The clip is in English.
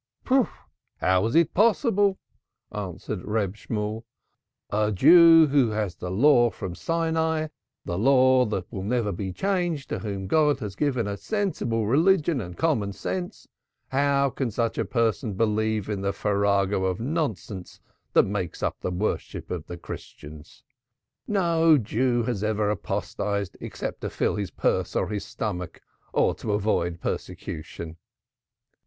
"How is it possible?" answered Reb Shemuel. "A Jew who has the Law from Sinai, the Law that will never be changed, to whom God has given a sensible religion and common sense, how can such a person believe in the farrago of nonsense that makes up the worship of the Christians! No Jew has ever apostatized except to fill his purse or his stomach or to avoid persecution.